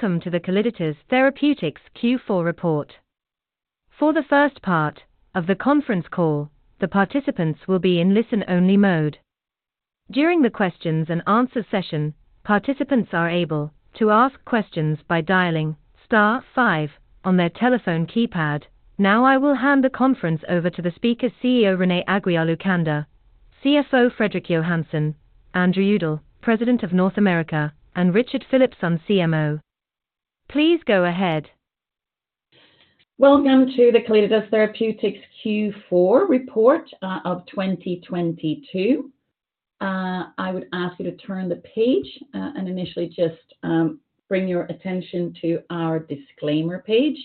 Welcome to the Calliditas Therapeutics Q4 Report. For the first part of the conference call, the participants will be in listen-only mode. During the questions and answer session, participants are able to ask questions by dialing star five on their telephone keypad. Now I will hand the conference over to the speaker, CEO Renée Aguiar-Lucander, CFO Fredrik Johansson, Andrew Udell, President of North America, and Richard Philipson, CMO. Please go ahead. Welcome to the Calliditas Therapeutics Q4 Report of 2022. I would ask you to turn the page and initially just bring your attention to our disclaimer page.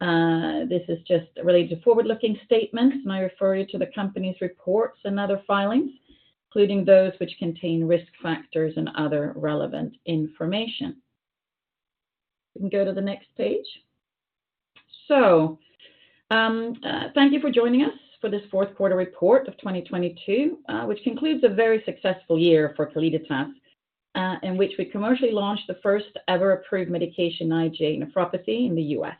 This is just related to forward-looking statements. I refer you to the company's reports and other filings, including those which contain risk factors and other relevant information. You can go to the next page. Thank you for joining us for this fourth quarter report of 2022, which concludes a very successful year for Calliditas, in which we commercially launched the first ever approved medication IgA nephropathy in the U.S..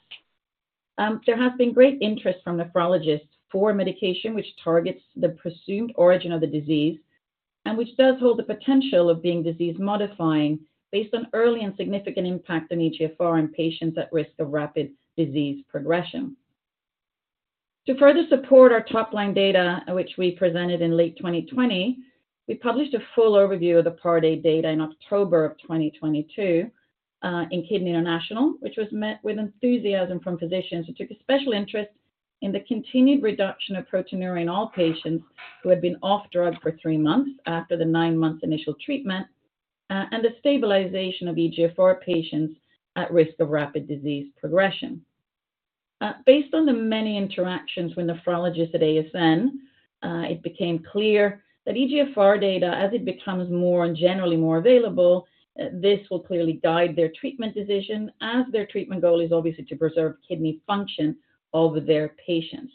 There has been great interest from nephrologists for medication which targets the presumed origin of the disease and which does hold the potential of being disease-modifying based on early and significant impact on eGFR in patients at risk of rapid disease progression. To further support our top-line data, which we presented in late 2020, we published a full overview of the Part A data in October of 2022, in Kidney International, which was met with enthusiasm from physicians who took a special interest in the continued reduction of proteinuria in all patients who had been off drug for three months after the nine-month initial treatment, and the stabilization of eGFR patients at risk of rapid disease progression. Based on the many interactions with nephrologists at ASN, it became clear that eGFR data, as it becomes more and generally more available, this will clearly guide their treatment decision as their treatment goal is obviously to preserve kidney function of their patients.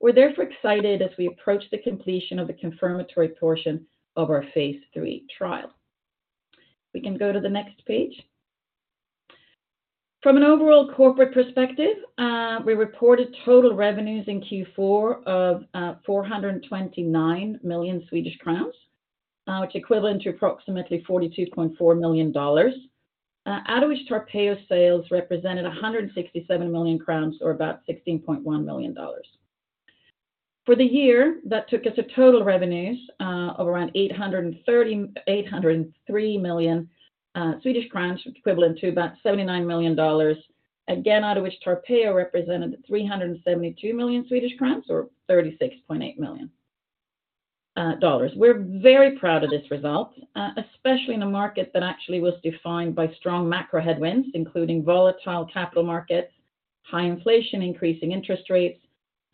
We're therefore excited as we approach the completion of the confirmatory portion of our phase III trial. We can go to the next page. From an overall corporate perspective, we reported total revenues in Q4 of 429 million Swedish crowns, which equivalent to approximately $42.4 million. Out of which TARPEYO sales represented 167 million crowns or about $16.1 million. For the year, that took us to total revenues of around 803 million Swedish crowns, equivalent to about $79 million. Out of which TARPEYO represented 372 million Swedish crowns or $36.8 million. We're very proud of this result, especially in a market that actually was defined by strong macro headwinds, including volatile capital markets, high inflation, increasing interest rates,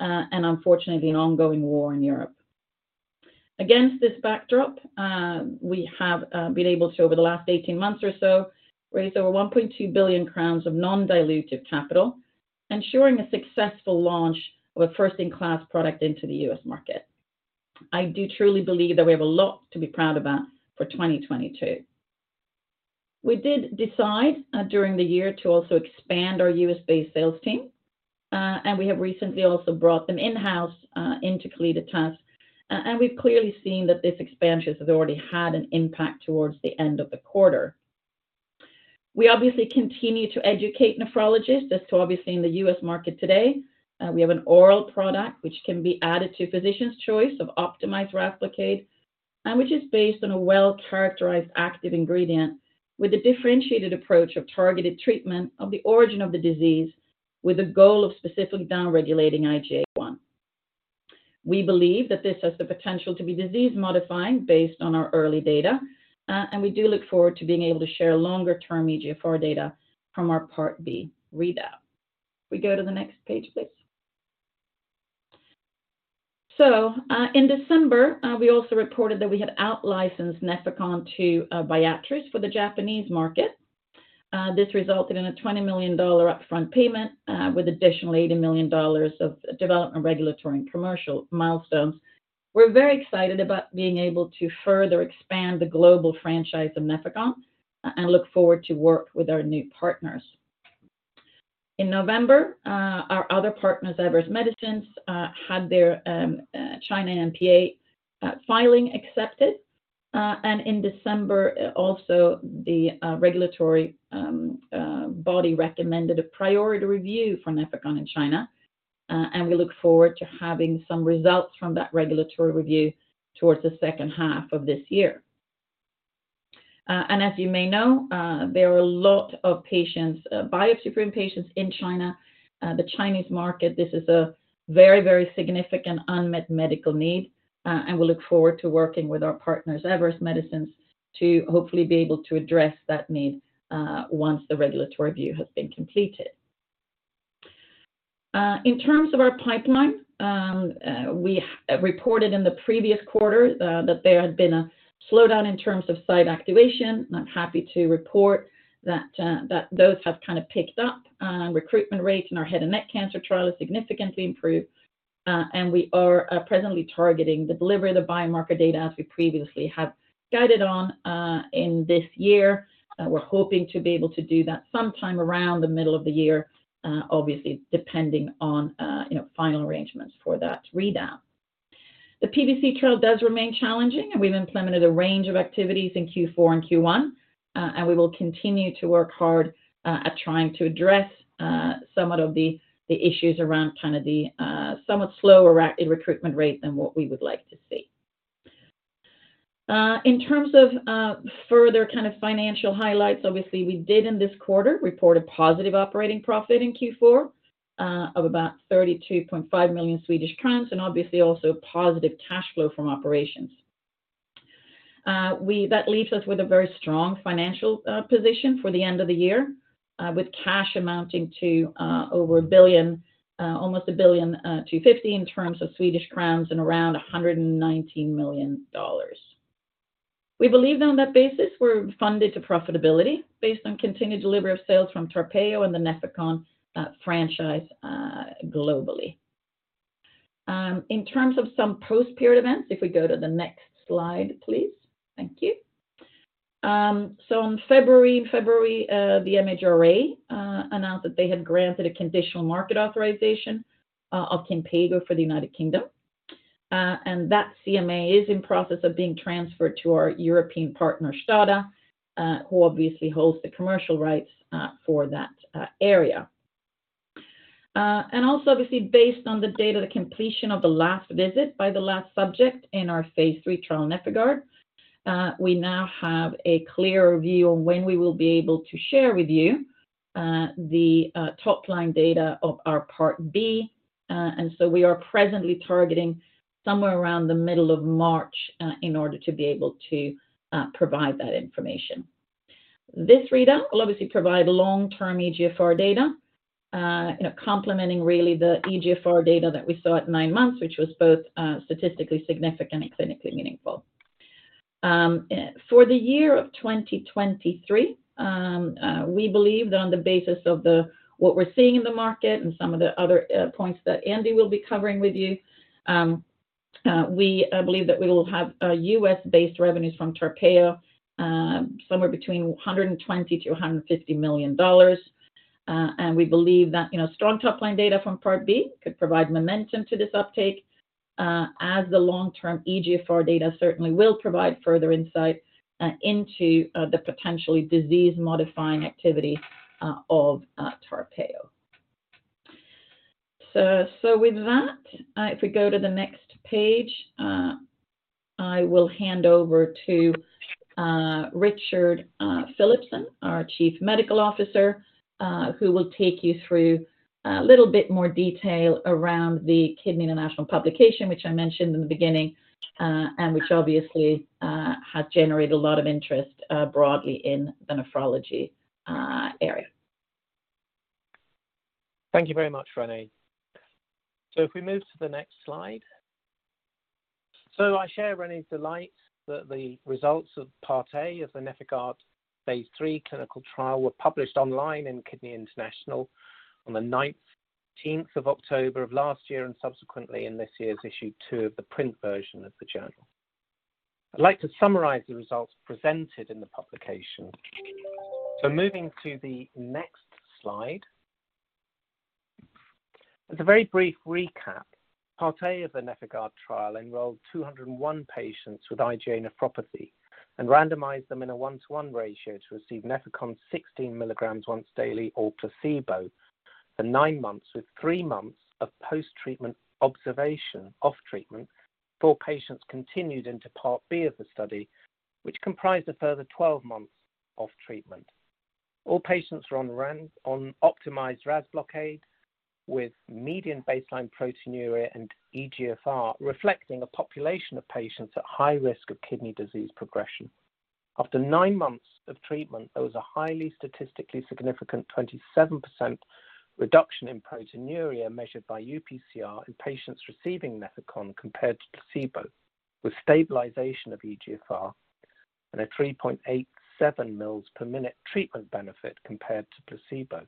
and unfortunately, an ongoing war in Europe. Against this backdrop, we have been able to, over the last 18 months or so, raise over 1.2 billion crowns of non-dilutive capital, ensuring a successful launch of a first-in-class product into the U.S. market. I do truly believe that we have a lot to be proud about for 2022. We did decide during the year to also expand our U.S.-based sales team, and we have recently also brought them in-house into Calliditas, and we've clearly seen that this expansion has already had an impact towards the end of the quarter. We obviously continue to educate nephrologists as to obviously in the U.S. market today, we have an oral product which can be added to physician's choice of optimized RAS blockade and which is based on a well-characterized active ingredient with a differentiated approach of targeted treatment of the origin of the disease with a goal of specific downregulating IgA1. We believe that this has the potential to be disease-modifying based on our early data, and we do look forward to being able to share longer-term eGFR data from our Part B readout. We go to the next page, please. In December, we also reported that we had outlicensed Nefecon to Viatris for the Japanese market. This resulted in a $20 million upfront payment, with additional $80 million of development, regulatory, and commercial milestones. We're very excited about being able to further expand the global franchise of Nefecon and look forward to work with our new partners. In November, our other partners, Everest Medicines, had their China NPA filing accepted. And in December, also the regulatory body recommended a priority review for Nefecon in China, and we look forward to having some results from that regulatory review towards the second half of this year. And as you may know, there are a lot of biopsy-proven patients in China. The Chinese market, this is a very, very significant unmet medical need, and we look forward to working with our partners, Everest Medicines, to hopefully be able to address that need, once the regulatory review has been completed. In terms of our pipeline, we reported in the previous quarter that there had been a slowdown in terms of site activation. I'm happy to report that those have kind of picked up. Recruitment rates in our head and neck cancer trial has significantly improved. We are presently targeting the delivery of the biomarker data as we previously have guided on in this year. We're hoping to be able to do that sometime around the middle of the year, obviously depending on, you know, final arrangements for that readout. The PBC trial does remain challenging, and we've implemented a range of activities in Q4 and Q1. We will continue to work hard at trying to address some of the issues around kind of the somewhat slower recruitment rate than what we would like to see. In terms of further kind of financial highlights, obviously we did in this quarter report a positive operating profit in Q4 of about 32.5 million Swedish crowns, and obviously also positive cash flow from operations. That leaves us with a very strong financial position for the end of the year, with cash amounting to over 1 billion, almost 1.25 billion Swedish crowns and around $119 million. We believe on that basis, we're funded to profitability based on continued delivery of sales from TARPEYO and the Nefecon franchise globally. In terms of some post-period events, if we go to the next slide, please. Thank you. In February, the MHRA announced that they had granted a conditional market authorization of Kinpeygo for the United Kingdom. That CMA is in process of being transferred to our European partner, STADA, who obviously holds the commercial rights for that area. Also, obviously, based on the date of the completion of the last visit by the last subject in our phase III trial NefIgArd, we now have a clearer view on when we will be able to share with you the top-line data of our part B. We are presently targeting somewhere around the middle of March in order to be able to provide that information. This readout will obviously provide long-term eGFR data, you know, complementing really the eGFR data that we saw at nine months, which was both statistically significant and clinically meaningful. For the year of 2023, we believe that on the basis of what we're seeing in the market and some of the other points that Andy will be covering with you, we believe that we will have U.S.-based revenues from TARPEYO somewhere between $120 million-$150 million. We believe that, you know, strong top-line data from Part B could provide momentum to this uptake, as the long-term eGFR data certainly will provide further insight into the potentially disease-modifying activity of TARPEYO. With that, if we go to the next page, I will hand over to Richard Philipson, our Chief Medical Officer, who will take you through a little bit more detail around the Kidney International publication, which I mentioned in the beginning, and which obviously has generated a lot of interest broadly in the nephrology area. Thank you very much, Renée. If we move to the next slide. I share Renée's delight that the results of Part A of the NefIgArd phase III clinical trial were published online in Kidney International on the 19th of October of last year and subsequently in this year's issue two of the print version of the journal. I'd like to summarize the results presented in the publication. Moving to the next slide. As a very brief recap, Part A of the NefIgArd trial enrolled 201 patients with IgA nephropathy and randomized them in a 1-to-1 ratio to receive Nefecon 16 mg once daily or placebo for nine months, with three months of post-treatment observation off treatment before patients continued into Part B of the study, which comprised a further 12 months of treatment. All patients were on optimized RAS blockade, with median baseline proteinuria and eGFR reflecting a population of patients at high risk of kidney disease progression. After nine months of treatment, there was a highly statistically significant 27% reduction in proteinuria measured by UPCR in patients receiving Nefecon compared to placebo, with stabilization of eGFR and a 3.87 mils per minute treatment benefit compared to placebo.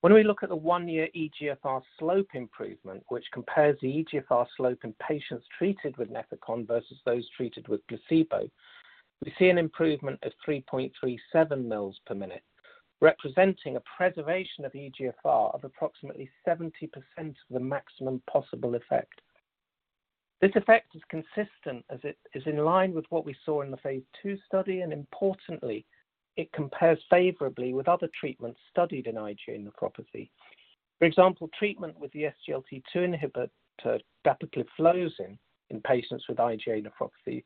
When we look at the one-year eGFR slope improvement, which compares the eGFR slope in patients treated with Nefecon versus those treated with placebo, we see an improvement of 3.37 mils per minute, representing a preservation of eGFR of approximately 70% of the maximum possible effect. This effect is consistent as it is in line with what we saw in the phase II study, and importantly, it compares favorably with other treatments studied in IgA nephropathy. For example, treatment with the SGLT2 inhibitor dapagliflozin in patients with IgA nephropathy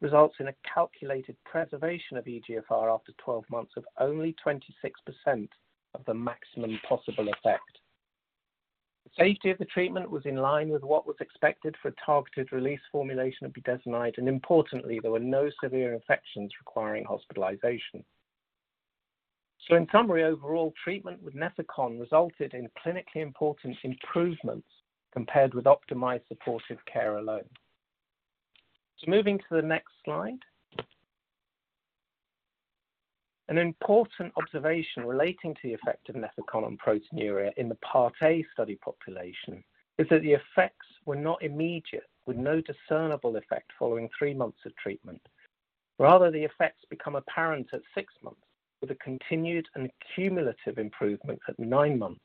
results in a calculated preservation of eGFR after 12 months of only 26% of the maximum possible effect. The safety of the treatment was in line with what was expected for a targeted release formulation of budesonide, and importantly, there were no severe infections requiring hospitalization. In summary, overall treatment with Nefecon resulted in clinically important improvements compared with optimized supportive care alone. Moving to the next slide. An important observation relating to the effect of Nefecon on proteinuria in the Part A study population is that the effects were not immediate, with no discernible effect following three months of treatment. Rather, the effects become apparent at six months, with a continued and cumulative improvement at nine months.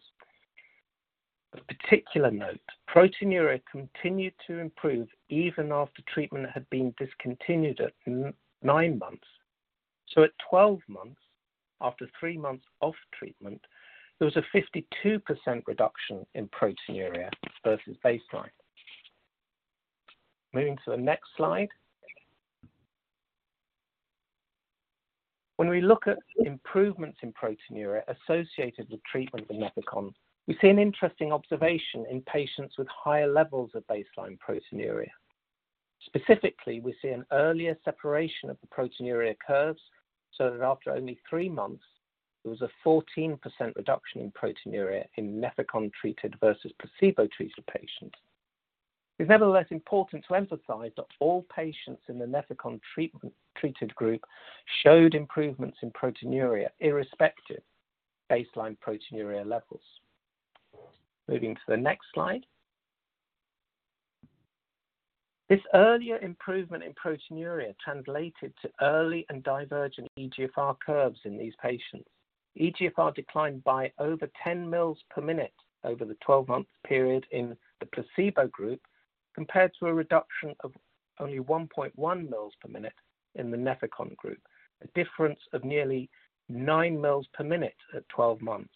Of particular note, proteinuria continued to improve even after treatment had been discontinued at nine months. At 12 months, after three months off treatment, there was a 52% reduction in proteinuria versus baseline. Moving to the next slide. When we look at improvements in proteinuria associated with treatment with Nefecon, we see an interesting observation in patients with higher levels of baseline proteinuria. Specifically, we see an earlier separation of the proteinuria curves so that after only three months, there was a 14% reduction in proteinuria in Nefecon-treated versus placebo-treated patients. It's nevertheless important to emphasize that all patients in the Nefecon treated group showed improvements in proteinuria irrespective baseline proteinuria levels. Moving to the next slide. This earlier improvement in proteinuria translated to early and divergent eGFR curves in these patients. eGFR declined by over 10 mils per minute over the 12-month period in the placebo group, compared to a reduction of only 1.1 mils per minute in the Nefecon group, a difference of nearly nine mils per minute at 12 months.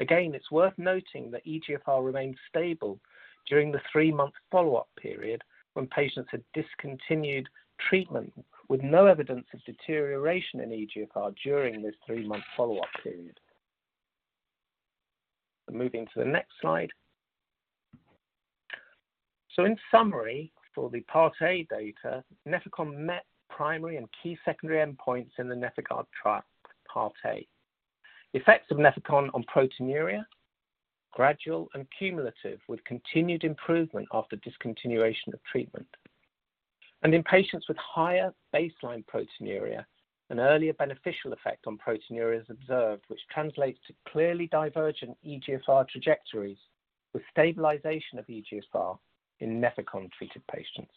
Again, it's worth noting that eGFR remained stable during the three-month follow-up period when patients had discontinued treatment, with no evidence of deterioration in eGFR during this three-month follow-up period. Moving to the next slide. In summary, for the Part A data, Nefecon met primary and key secondary endpoints in the NefIgArd Trial Part A. The effects of Nefecon on proteinuria, gradual and cumulative, with continued improvement after discontinuation of treatment. In patients with higher baseline proteinuria, an earlier beneficial effect on proteinuria is observed, which translates to clearly divergent eGFR trajectories with stabilization of eGFR in Nefecon-treated patients.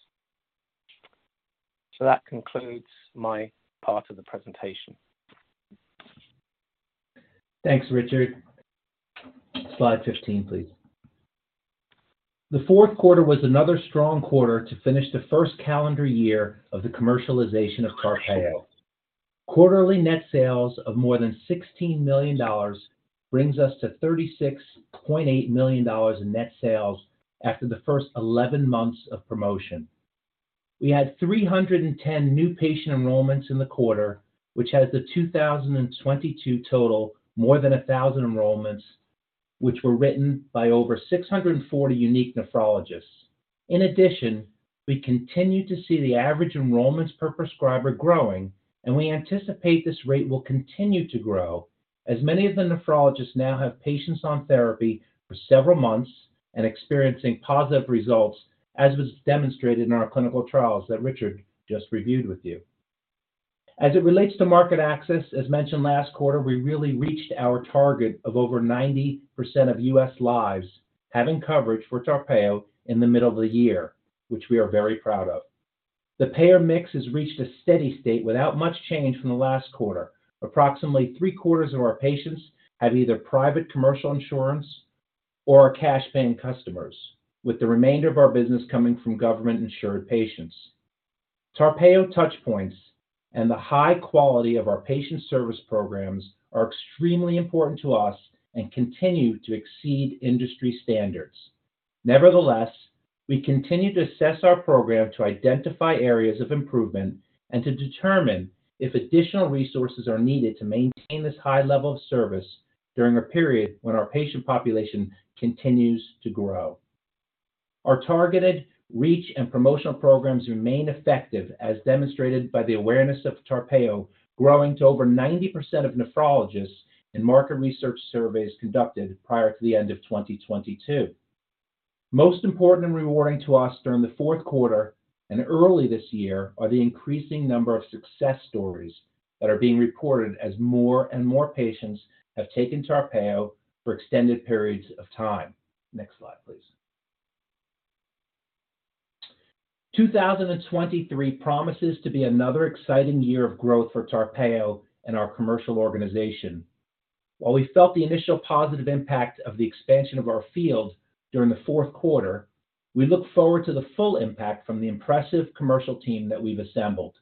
That concludes my part of the presentation. Thanks, Richard. Slide 15, please. The fourth quarter was another strong quarter to finish the first calendar year of the commercialization of TARPEYO. Quarterly net sales of more than $16 million brings us to $36.8 million in net sales after the first 11 months of promotion. We had 310 new patient enrollments in the quarter, which has the 2022 total more than 1,000 enrollments, which were written by over 640 unique nephrologists. We continue to see the average enrollments per prescriber growing, and we anticipate this rate will continue to grow as many of the nephrologists now have patients on therapy for several months and experiencing positive results, as was demonstrated in our clinical trials that Richard just reviewed with you. As it relates to market access, as mentioned last quarter, we really reached our target of over 90% of U.S. lives having coverage for TARPEYO in the middle of the year, which we are very proud of. The payer mix has reached a steady state without much change from the last quarter. Approximately three-quarters of our patients have either private commercial insurance or are cash paying customers, with the remainder of our business coming from government-insured patients. TARPEYO Touchpoints and the high quality of our patient service programs are extremely important to us and continue to exceed industry standards. Nevertheless, we continue to assess our program to identify areas of improvement and to determine if additional resources are needed to maintain this high level of service during a period when our patient population continues to grow. Our targeted reach and promotional programs remain effective, as demonstrated by the awareness of TARPEYO growing to over 90% of nephrologists in market research surveys conducted prior to the end of 2022. Most important and rewarding to us during the fourth quarter and early this year are the increasing number of success stories that are being reported as more and more patients have taken TARPEYO for extended periods of time. Next slide, please. 2023 promises to be another exciting year of growth for TARPEYO and our commercial organization. While we felt the initial positive impact of the expansion of our field during the fourth quarter, we look forward to the full impact from the impressive commercial team that we've assembled.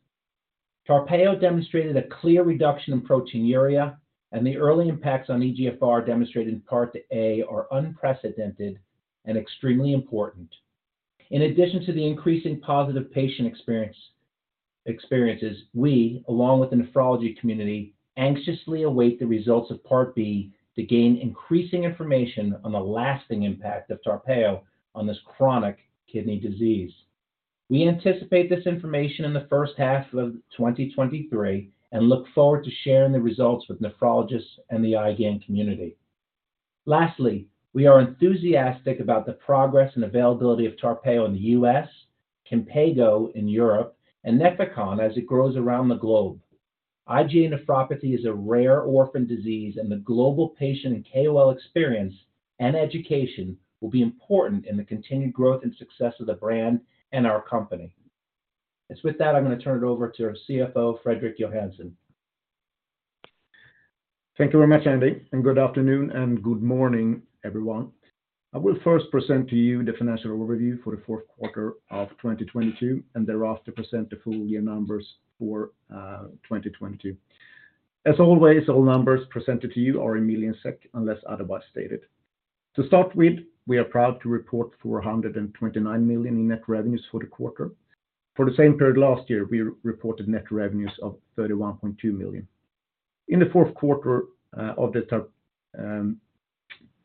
TARPEYO demonstrated a clear reduction in proteinuria, the early impacts on eGFR demonstrated in Part A are unprecedented and extremely important. In addition to the increasing positive patient experiences, we, along with the nephrology community, anxiously await the results of Part B to gain increasing information on the lasting impact of TARPEYO on this chronic kidney disease. We anticipate this information in the first half of 2023 and look forward to sharing the results with nephrologists and the IgAN community. Lastly, we are enthusiastic about the progress and availability of TARPEYO in the U.S., Kinpeygo in Europe, and Nefecon as it grows around the globe. IgA nephropathy is a rare orphan disease. The global patient and KOL experience and education will be important in the continued growth and success of the brand and our company. With that, I'm going to turn it over to our CFO, Fredrik Johansson. Thank you very much, Andy, and good afternoon and good morning, everyone. I will first present to you the financial overview for the fourth quarter of 2022, and thereafter present the full year numbers for 2022. As always, all numbers presented to you are in million SEK, unless otherwise stated. To start with, we are proud to report 429 million in net revenues for the quarter. For the same period last year, we reported net revenues of 31.2 million. In the fourth quarter of the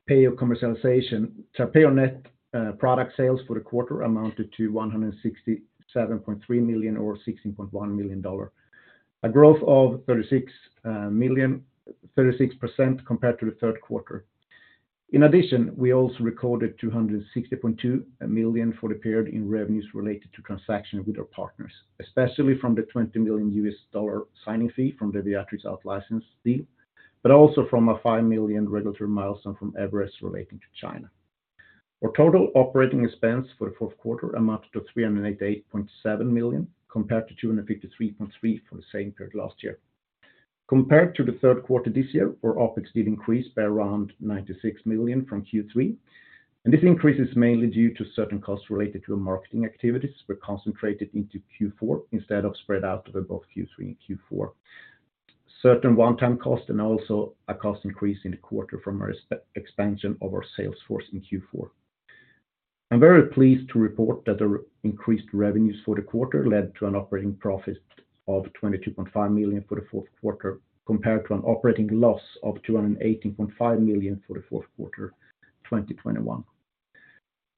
TARPEYO commercialization, TARPEYO net product sales for the quarter amounted to 167.3 million or $16.1 million. A growth of 36% compared to the third quarter. We also recorded $260.2 million for the period in revenues related to transaction with our partners. Especially from the $20 million U.S. dollar signing fee from the Viatris outlicensing deal, but also from a $5 million regulatory milestone from Everest relating to China. Our total operating expense for the fourth quarter amounted to $388.7 million compared to $253.3 million for the same period last year. Compared to the third quarter this year, our Opex did increase by around $96 million from Q3. This increase is mainly due to certain costs related to our marketing activities were concentrated into Q4 instead of spread out over both Q3 and Q4. Certain one-time costs and also a cost increase in the quarter from our ex-expansion of our sales force in Q4. I'm very pleased to report that our increased revenues for the quarter led to an operating profit of 22.5 million for the fourth quarter, compared to an operating loss of 218.5 million for the fourth quarter 2021.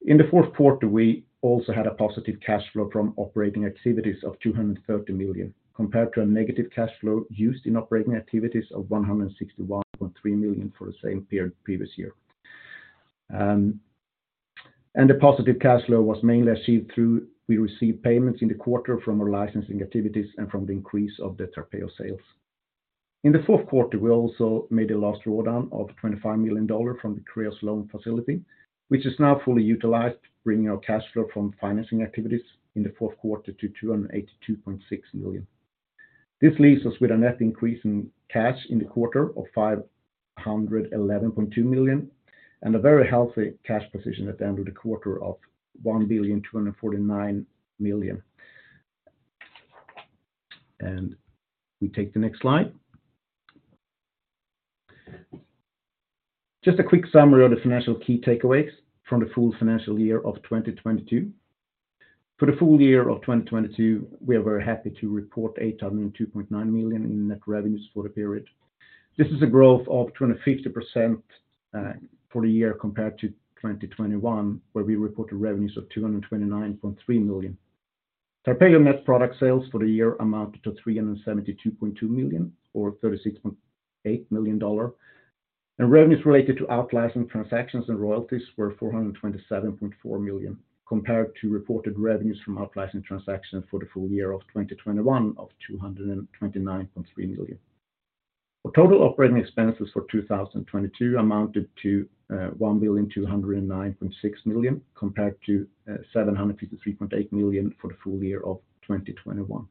In the fourth quarter, we also had a positive cash flow from operating activities of 230 million, compared to a negative cash flow used in operating activities of 161.3 million for the same period previous year. The positive cash flow was mainly achieved through we received payments in the quarter from our licensing activities and from the increase of the TARPEYO sales. In the fourth quarter, we also made a last drawdown of $25 million from the Kreos loan facility, which is now fully utilized, bringing our cash flow from financing activities in the fourth quarter to $282.6 million. This leaves us with a net increase in cash in the quarter of $511.2 million and a very healthy cash position at the end of the quarter of $1.249 billion. We take the next slide. Just a quick summary of the financial key takeaways from the full financial year of 2022. For the full year of 2022, we are very happy to report $802.9 million in net revenues for the period. This is a growth of 20-50% for the year compared to 2021, where we reported revenues of 229.3 million. TARPEYO net product sales for the year amounted to 372.2 million or $36.8 million. Revenues related to outlicensing transactions and royalties were 427.4 million compared to reported revenues from outlicensing transactions for the full year of 2021 of 229.3 million. Our total operating expenses for 2022 amounted to 1,209.6 million compared to 753.8 million for the full year of 2021.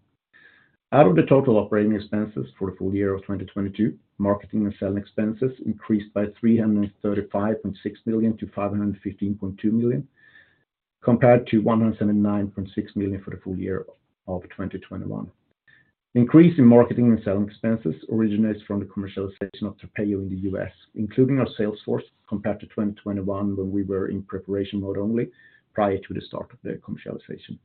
Out of the total operating expenses for the full year of 2022, marketing and selling expenses increased by 335.6 million to 515.2 million, compared to 179.6 million for the full year of 2021. Increase in marketing and selling expenses originates from the commercialization of TARPEYO in the U.S., including our sales force compared to 2021, when we were in preparation mode only prior to the start of the commercialization.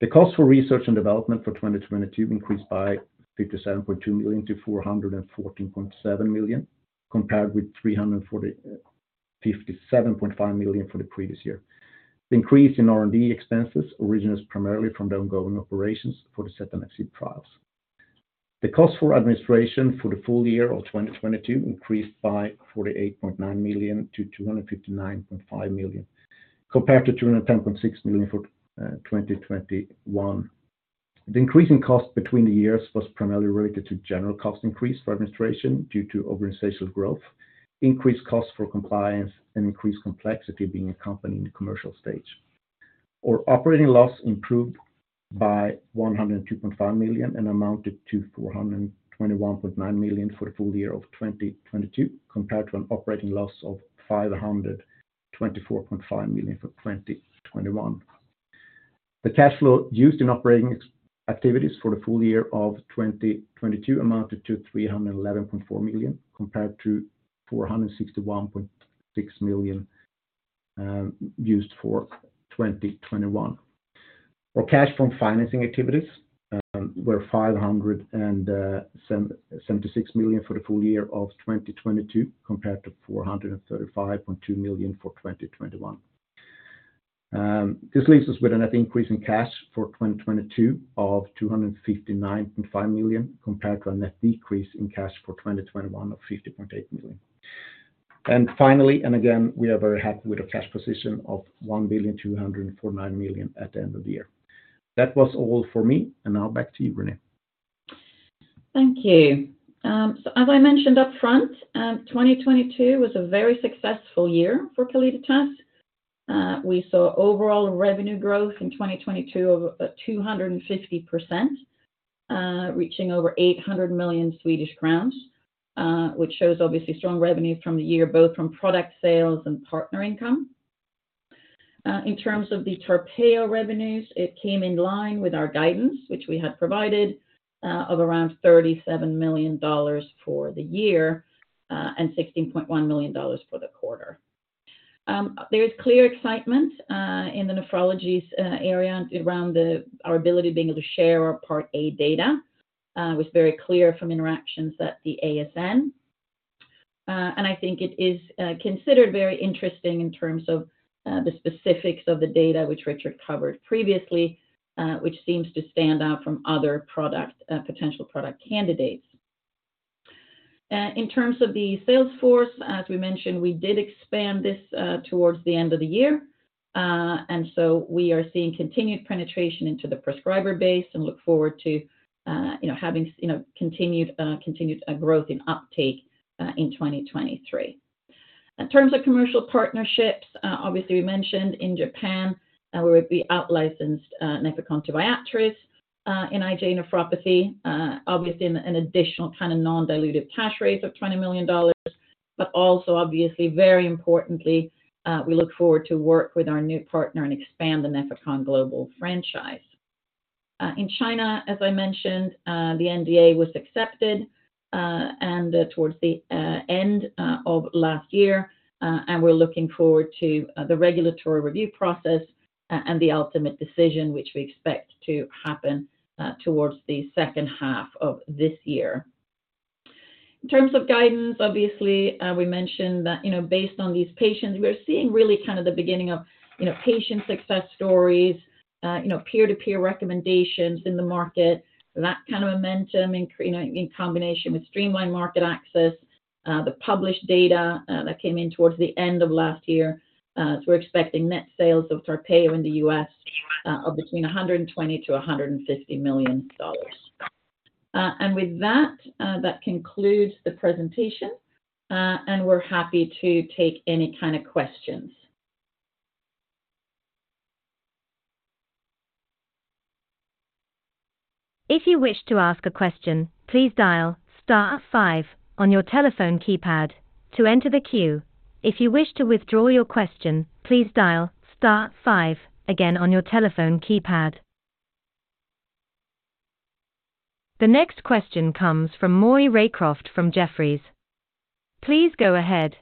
The cost for research and development for 2022 increased by 57.2 million to 414.7 million, compared with 57.5 million for the previous year. The increase in R&D expenses originates primarily from the ongoing operations for the setanaxib trials. The cost for administration for the full year of 2022 increased by 48.9 million to 259.5 million, compared to 210.6 million for 2021. The increase in cost between the years was primarily related to general cost increase for administration due to organizational growth, increased cost for compliance, and increased complexity being a company in the commercial stage. Our operating loss improved by 102.5 million and amounted to 421.9 million for the full year of 2022, compared to an operating loss of 524.5 million for 2021. The cash flow used in operating ex-activities for the full year of 2022 amounted to 311.4 million, compared to 461.6 million used for 2021. Our cash from financing activities were 576 million for the full year of 2022, compared to 435.2 million for 2021. This leaves us with a net increase in cash for 2022 of 259.5 million, compared to a net decrease in cash for 2021 of 50.8 million. Finally, and again, we are very happy with the cash position of 1.249 billion at the end of the year. That was all for me. Now back to you, Renée. Thank you. As I mentioned upfront, 2022 was a very successful year for Calliditas. We saw overall revenue growth in 2022 of 250%, reaching over 800 million Swedish crowns, which shows obviously strong revenue from the year, both from product sales and partner income. In terms of the TARPEYO revenues, it came in line with our guidance, which we had provided, of around $37 million for the year, and $16.1 million for the quarter. There is clear excitement in the nephrology area around our ability being able to share our Part A data. It was very clear from interactions at the ASN. I think it is considered very interesting in terms of the specifics of the data which Richard covered previously, which seems to stand out from other product, potential product candidates. In terms of the sales force, as we mentioned, we did expand this towards the end of the year. We are seeing continued penetration into the prescriber base and look forward to, you know, having continued growth in uptake in 2023. In terms of commercial partnerships, obviously we mentioned in Japan, where we outlicensed Nefecon to Viatris in IgA nephropathy, obviously in an additional kind of non-dilutive cash raise of $20 million. Also, obviously, very importantly, we look forward to work with our new partner and expand the Nefecon global franchise. In China, as I mentioned, the NDA was accepted towards the end of last year, and we're looking forward to the regulatory review process and the ultimate decision which we expect to happen towards the second half of this year. In terms of guidance, obviously, we mentioned that, you know, based on these patients, we're seeing really kind of the beginning of, you know, patient success stories, you know, peer-to-peer recommendations in the market. That kind of momentum, you know, in combination with streamlined market access, the published data that came in towards the end of last year, we're expecting net sales of TARPEYO in the U.S. Of between $120 million-$150 million. With that concludes the presentation, and we're happy to take any kind of questions. If you wish to ask a question, please dial star five on your telephone keypad to enter the queue. If you wish to withdraw your question, please dial star five again on your telephone keypad. The next question comes from Maury Raycroft from Jefferies. Please go ahead.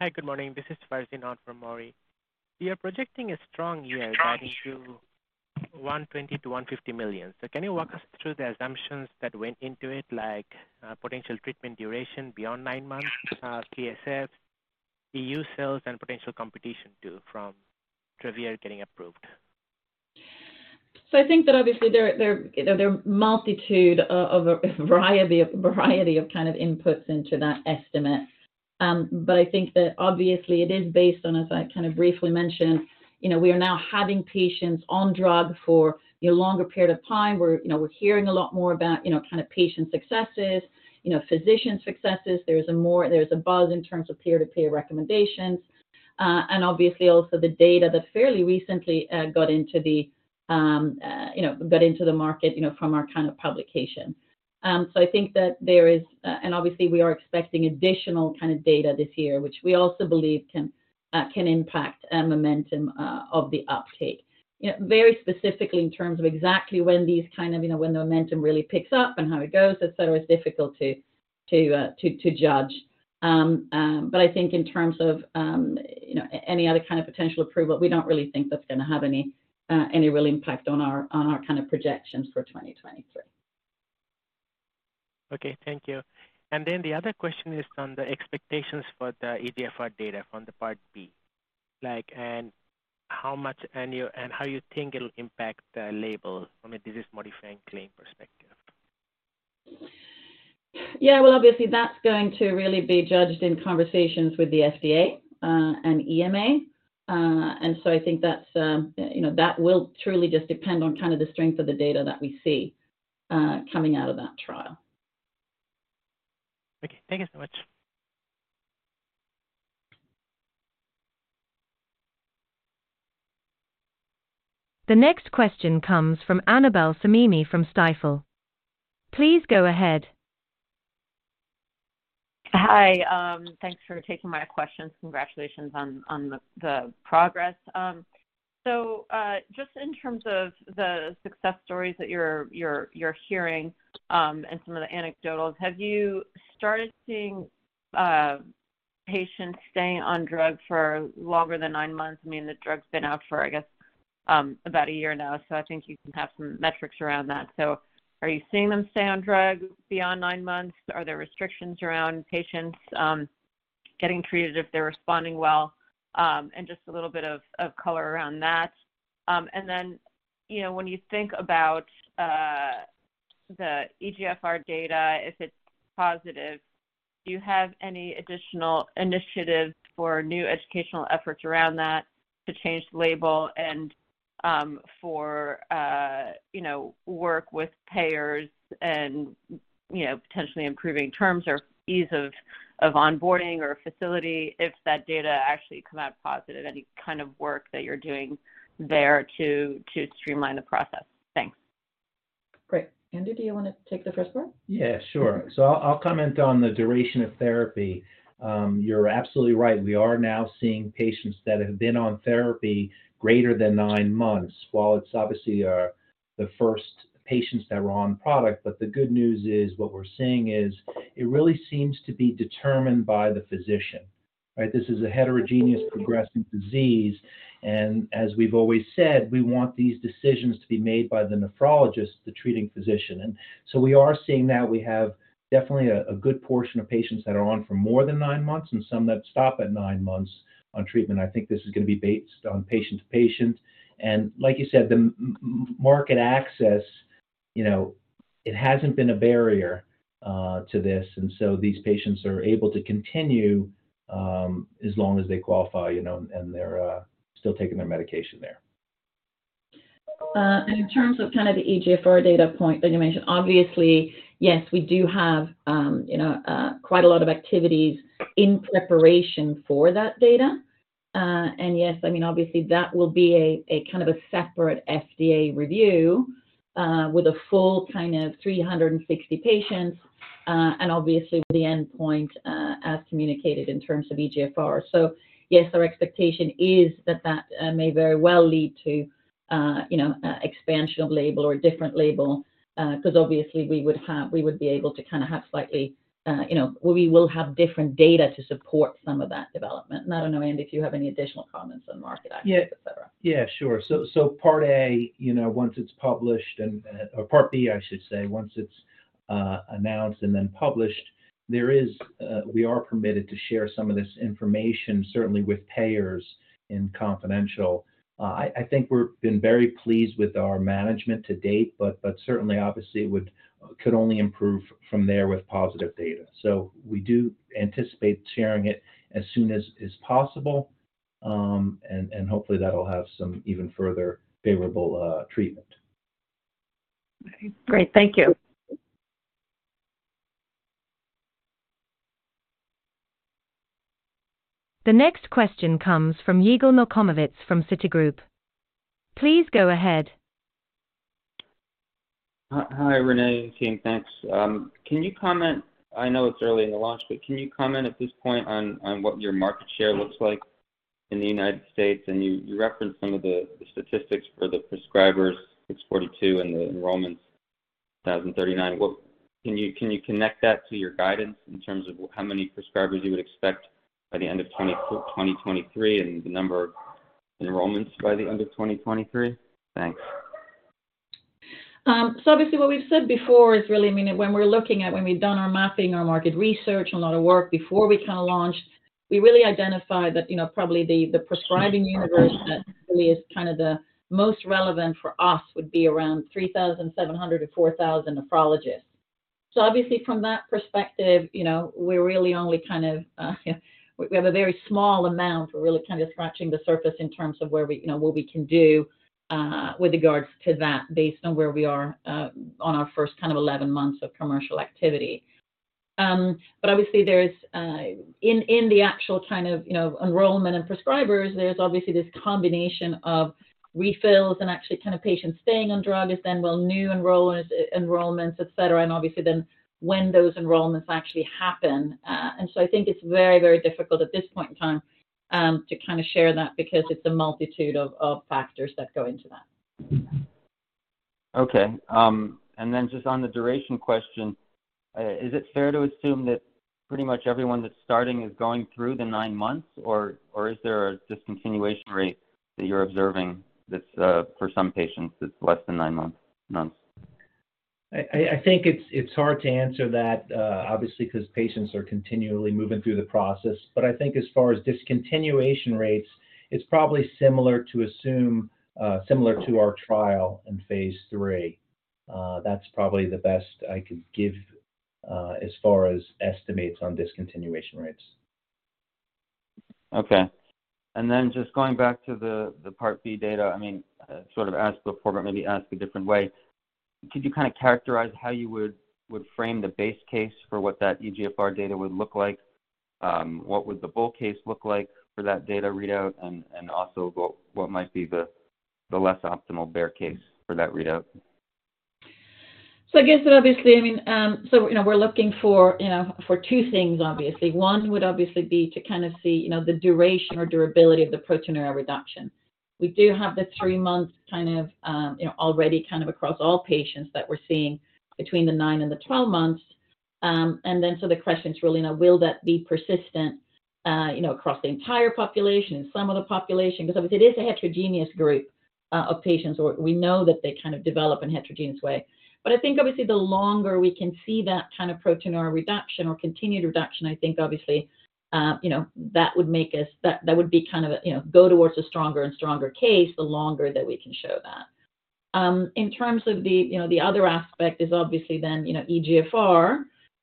Hi. Good morning. This is Farzin Haque from Maury. You're projecting a strong year- Strong ....guiding to $120 million-$150 million. Can you walk us through the assumptions that went into it, like potential treatment duration beyond nine months, PSF, EU sales, and potential competition too from Travere getting approved? I think that obviously there, you know, there are a multitude of a variety of kind of inputs into that estimate. I think that obviously it is based on, as I kind of briefly mentioned, you know, we are now having patients on drug for a longer period of time. We're, you know, we're hearing a lot more about, you know, kind of patient successes, you know, physician successes. There's a buzz in terms of peer-to-peer recommendations. Obviously also the data that fairly recently got into the, you know, got into the market, you know, from our kind of publication. Obviously we are expecting additional kind of data this year, which we also believe can impact momentum of the uptake. You know, very specifically in terms of exactly when these kind of, you know, when the momentum really picks up and how it goes, etc., is difficult to judge. I think in terms of, you know, any other kind of potential approval, we don't really think that's gonna have any real impact on our, on our kind of projections for 2023. Okay. Thank you. The other question is on the expectations for the eGFR data from the Part B, like, and how much, and how you think it'll impact the label from a disease-modifying claim perspective? Obviously, that's going to really be judged in conversations with the FDA and EMA. I think that's, you know, that will truly just depend on kind of the strength of the data that we see coming out of that trial. Okay. Thank you so much. The next question comes from Annabel Samimy from Stifel. Please go ahead. Hi. Thanks for taking my questions. Congratulations on the progress. Just in terms of the success stories that you're hearing, and some of the anecdotals, have you started seeing patients staying on drug for longer than nine months? I mean, the drug's been out for, I guess About one year now. I think you can have some metrics around that. Are you seeing them stay on drug beyond nine months? Are there restrictions around patients getting treated if they're responding well? Just a little bit of color around that. Then, you know, when you think about the eGFR data, if it's positive, do you have any additional initiatives for new educational efforts around that to change the label and for, you know, work with payers and, you know, potentially improving terms or ease of onboarding or facility if that data actually come out positive? Any kind of work that you're doing there to streamline the process? Thanks. Great. Andy, do you wanna take the first one? Yeah, sure. I'll comment on the duration of therapy. You're absolutely right. We are now seeing patients that have been on therapy greater than nine months, while it's obviously the first patients that were on product. The good news is, what we're seeing is it really seems to be determined by the physician, right. This is a heterogeneous progressive disease, and as we've always said, we want these decisions to be made by the nephrologist, the treating physician. We are seeing now we have definitely a good portion of patients that are on for more than nine months and some that stop at nine months on treatment. I think this is gonna be based on patient to patient. Like you said, the market access, you know, it hasn't been a barrier to this. These patients are able to continue, as long as they qualify, you know, and they're still taking their medication there. In terms of kind of the eGFR data point that you mentioned, obviously, yes, we do have, you know, quite a lot of activities in preparation for that data. Yes, I mean, obviously that will be a kind of a separate FDA review, with a full kind of 360 patients, and obviously with the endpoint, as communicated in terms of eGFR. Yes, our expectation is that that may very well lead to, you know, expansion of label or a different label, 'cause obviously we would be able to kinda have slightly, you know. We will have different data to support some of that development. I don't know, Andy, if you have any additional comments on market access, et cetera. Yeah. Sure. Part A, you know, once it's published and or part B, I should say, once it's announced and then published, there is, we are permitted to share some of this information certainly with payers in confidential. I think we're been very pleased with our management to date, but certainly, obviously it could only improve from there with positive data. We do anticipate sharing it as soon as is possible, and hopefully that'll have some even further favorable treatment. Okay. Great. Thank you. The next question comes from Yigal Nochomovitz from Citigroup. Please go ahead. Hi, Renée and team. Thanks. Can you comment, I know it's early in the launch, but can you comment at this point on what your market share looks like in the United States? You referenced some of the statistics for the prescribers, it's 42, and the enrollments, 1,039. Can you connect that to your guidance in terms of how many prescribers you would expect by the end of 2023 and the number of enrollments by the end of 2023? Thanks. Obviously what we've said before is really, I mean, when we've done our mapping, our market research and a lot of work before we kinda launched, we really identified that, you know, probably the prescribing universe that really is kinda the most relevant for us would be around 3,700 to 4,000 nephrologists. Obviously from that perspective, you know, we're really only kind of, we have a very small amount. We're really kinda scratching the surface in terms of where we, you know, what we can do with regards to that based on where we are on our first kind of 11 months of commercial activity. Obviously there's, in the actual kind of, you know, enrollment and prescribers, there's obviously this combination of refills and actually kind of patients staying on drug is then, well, new enrollers, enrollments, et cetera, and obviously then when those enrollments actually happen. I think it's very, very difficult at this point in time, to kind of share that because it's a multitude of factors that go into that. Okay. Just on the duration question, is it fair to assume that pretty much everyone that's starting is going through the nine months, or is there a discontinuation rate that you're observing that's, for some patients it's less than nine months? I think it's hard to answer that, obviously 'cause patients are continually moving through the process. I think as far as discontinuation rates, it's probably similar to assume, similar to our trial in phase III. That's probably the best I could give as far as estimates on discontinuation rates. Okay. Then just going back to the part B data, I mean, sort of asked before, but maybe asked a different way. Could you kinda characterize how you would frame the base case for what that eGFR data would look like? What would the bull case look like for that data readout? Also what might be the less optimal bear case for that readout? I guess obviously, I mean, you know, we're looking for, you know, for two things obviously. One would obviously be to kind of see, you know, the duration or durability of the proteinuria reduction. We do have the three-month kind of, you know, already kind of across all patients that we're seeing between the nine and the 12 months. The question is really now, will that be persistent, you know, across the entire population, in some of the population? Obviously, it is a heterogeneous group of patients, or we know that they kind of develop in a heterogeneous way. I think obviously the longer we can see that kind of protein or a reduction or continued reduction, I think obviously, you know, that would make us... That would be kind of a, you know, go towards a stronger and stronger case the longer that we can show that. In terms of the, you know, the other aspect is obviously then, you know, eGFR.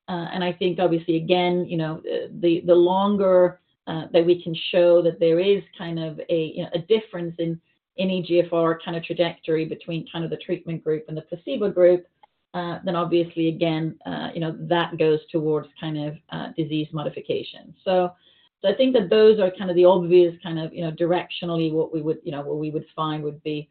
I think obviously again, you know, the longer that we can show that there is kind of a, you know, a difference in eGFR kind of trajectory between kind of the treatment group and the placebo group, then obviously again, you know, that goes towards kind of, disease modification. I think that those are kind of the obvious kind of, you know, directionally what we would, you know, what we would find would be,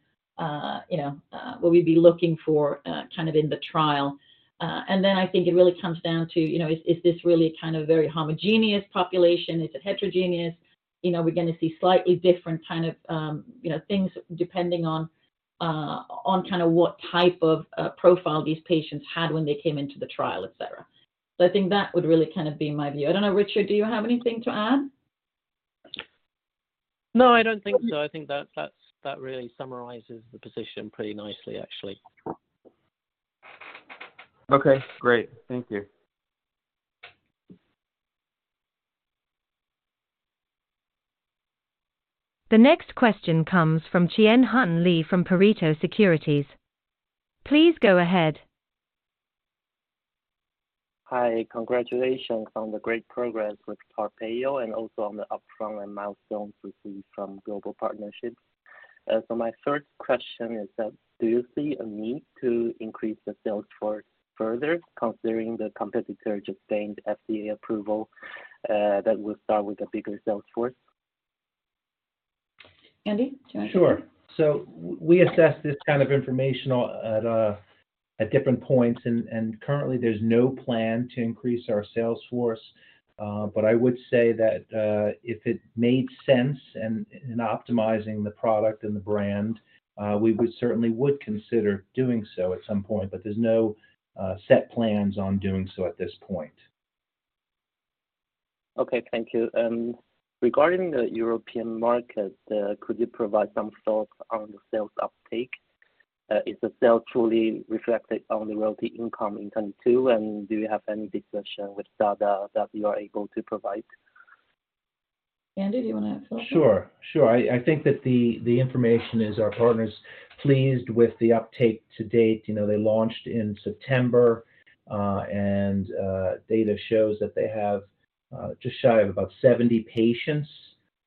you know, what we'd be looking for, kind of in the trial. I think it really comes down to, you know, is this really a kind of very homogeneous population? Is it heterogeneous? You know, are we gonna see slightly different kind of, you know, things depending on kind of what type of profile these patients had when they came into the trial, et cetera. I think that would really kind of be my view. I don't know, Richard, do you have anything to add? No, I don't think so. I think that really summarizes the position pretty nicely actually. Okay, great. Thank you. The next question comes from Chien-Hsun Lee from Pareto Securities. Please go ahead. Hi. Congratulations on the great progress with TARPEYO and also on the upfront and milestones received from global partnerships. My first question is that, do you see a need to increase the sales force further considering the competitor just gained FDA approval, that would start with a bigger sales force? Andy, do you wanna? Sure. We assess this kind of information on, at different points and currently there's no plan to increase our sales force. I would say that if it made sense in optimizing the product and the brand, we would certainly consider doing so at some point. There's no set plans on doing so at this point. Okay, thank you. Regarding the European market, could you provide some thoughts on the sales uptake? Is the sale truly reflected on the royalty income in 2022? Do you have any discussion with STADA that you are able to provide? Andy, do you wanna answer? Sure. I think that the information is our partner's pleased with the uptake to date. You know, they launched in September, and data shows that they have just shy of about 70 patients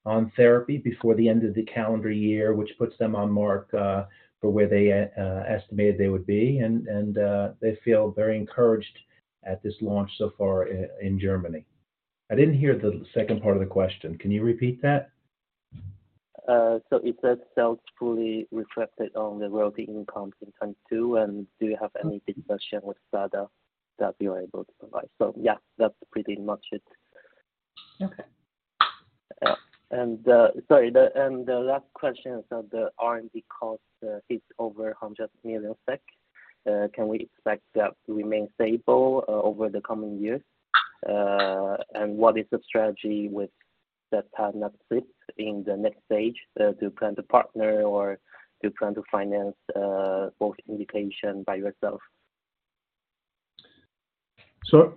on therapy before the end of the calendar year, which puts them on mark for where they estimated they would be. They feel very encouraged at this launch so far in Germany. I didn't hear the second part of the question. Can you repeat that? Is the sales truly reflected on the royalty income in 2022? Do you have any discussion with STADA that you're able to provide? Yeah, that's pretty much it. Okay. Sorry. The last question is that the R&D cost sits over 100 million SEK. Can we expect that to remain stable over the coming years? What is the strategy with that partner fit in the next stage? Do you plan to partner or do you plan to finance both indication by yourself? Sorry.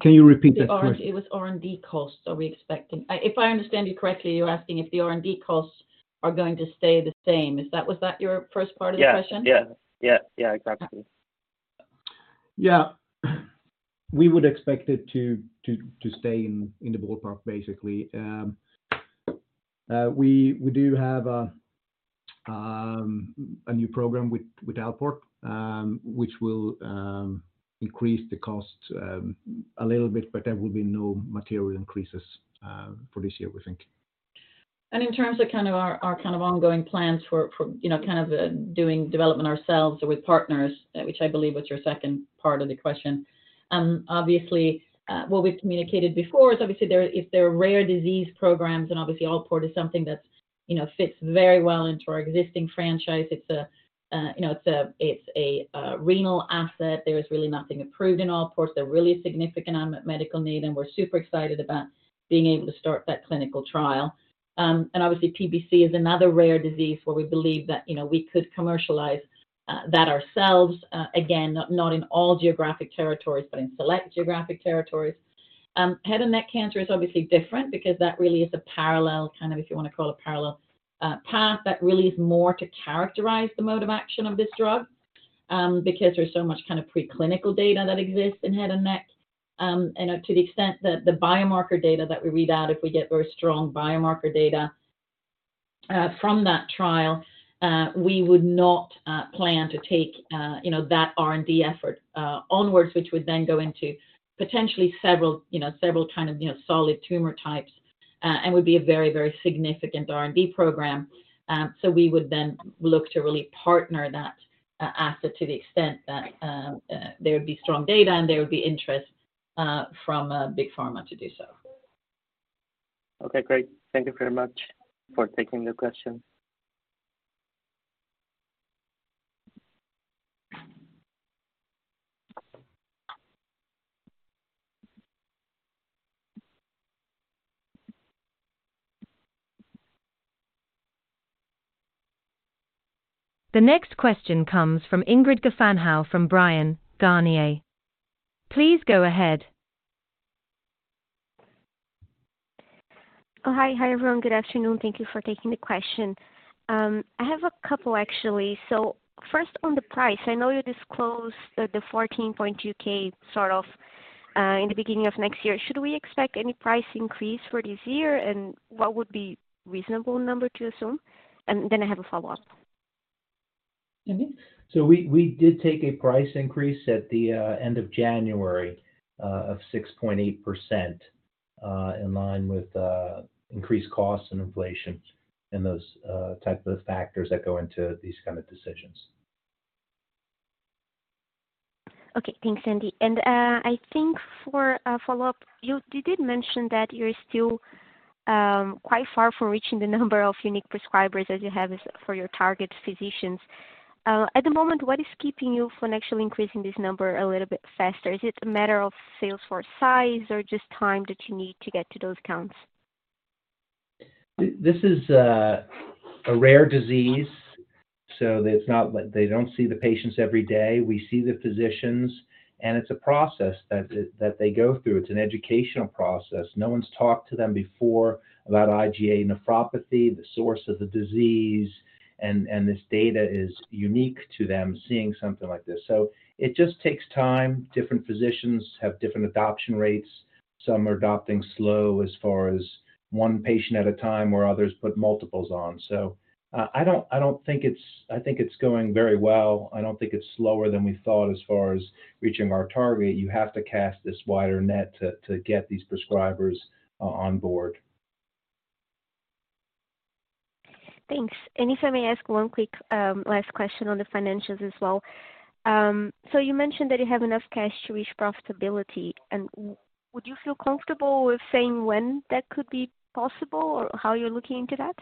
Can you repeat that question? It was R&D costs. If I understand you correctly, you're asking if the R&D costs are going to stay the same. Is that, was that your first part of the question? Yeah. Yeah, yeah. Yeah, exactly. Yeah. We would expect it to stay in the ballpark basically. We do have a new program with Alport, which will increase the cost a little bit, but there will be no material increases for this year, we think. In terms of our ongoing plans for, you know, doing development ourselves or with partners, which I believe was your second part of the question. Obviously, what we've communicated before is if they're rare disease programs, and Alport is something that's, you know, fits very well into our existing franchise. It's a, you know, a renal asset. There is really nothing approved in Alport. Really a significant unmet medical need, and we're super excited about being able to start that clinical trial. Obviously PBC is another rare disease where we believe that, you know, we could commercialize that ourselves, again, not in all geographic territories, but in select geographic territories. Head and neck cancer is obviously different because that really is a parallel, kind of if you wanna call it a parallel, path that really is more to characterize the mode of action of this drug, because there's so much kind of preclinical data that exists in head and neck. You know, to the extent that the biomarker data that we read out, if we get very strong biomarker data from that trial, we would not plan to take, you know, that R&D effort onwards, which would then go into potentially several, you know, several kind of, you know, solid tumor types, and would be a very, very significant R&D program. We would then look to really partner that asset to the extent that there would be strong data and there would be interest from big pharma to do so. Okay, great. Thank you very much for taking the question. The next question comes from Ingrid Gafanhão from Bryan, Garnier. Please go ahead. Hi, everyone. Good afternoon. Thank you for taking the question. I have a couple, actually. First on the price, I know you disclosed the 14.2K sort of in the beginning of next year. Should we expect any price increase for this year? What would be reasonable number to assume? Then I have a follow-up. We did take a price increase at the end of January of 6.8% in line with increased costs and inflation and those type of factors that go into these kind of decisions. Okay. Thanks, Andy. I think for a follow-up, you did mention that you're still quite far from reaching the number of unique prescribers as you have for your target physicians. At the moment, what is keeping you from actually increasing this number a little bit faster? Is it a matter of sales force size or just time that you need to get to those counts? This is a rare disease, it's not like they don't see the patients every day. We see the physicians, and it's a process that they go through. It's an educational process. No one's talked to them before about IgA nephropathy, the source of the disease. This data is unique to them, seeing something like this. It just takes time. Different physicians have different adoption rates. Some are adopting slow as far as one patient at a time, where others put multiples on. I don't think it's... I think it's going very well. I don't think it's slower than we thought as far as reaching our target. You have to cast this wider net to get these prescribers onboard. Thanks. If I may ask one quick, last question on the financials as well. You mentioned that you have enough cash to reach profitability. Would you feel comfortable with saying when that could be possible or how you're looking into that?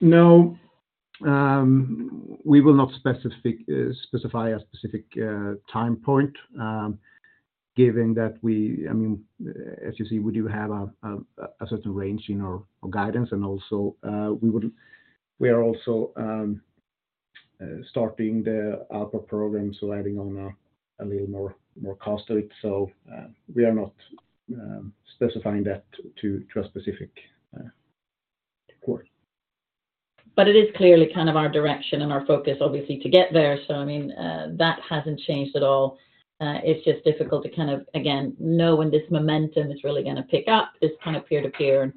No. We will not specify a specific time point. I mean, as you see, we do have a certain range in our guidance and also, we are also starting the Alport program, so adding on a little more cost to it. We are not specifying that to a specific quarter. It is clearly kind of our direction and our focus obviously to get there. I mean, that hasn't changed at all. It's just difficult to kind of, again, know when this momentum is really gonna pick up, this kind of peer-to-peer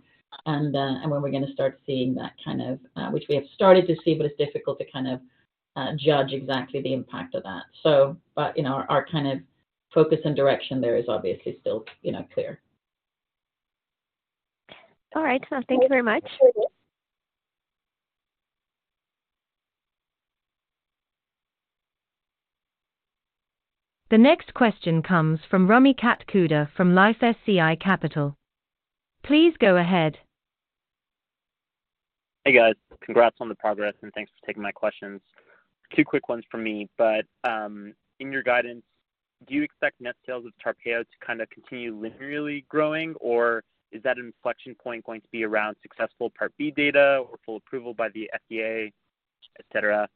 and when we're gonna start seeing that kind of... Which we have started to see, but it's difficult to kind of judge exactly the impact of that. You know, our kind of focus and direction there is obviously still, you know, clear. All right. Thank you very much. The next question comes from Rami Katkhuda from LifeSci Capital. Please go ahead. Hey, guys. Congrats on the progress, and thanks for taking my questions. Two quick ones from me. In your guidance, do you expect net sales of TARPEYO to kind of continue linearly growing, or is that inflection point going to be around successful Part B data or full approval by the FDA, et cetera?